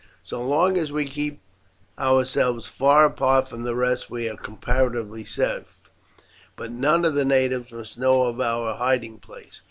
So long as we keep ourselves far apart from the rest we are comparatively safe; but none of the natives must know of our hiding place.